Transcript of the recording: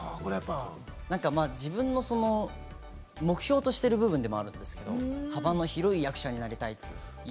自分の目標としてる部分でもあるんですけれども、幅の広い役者になりたい。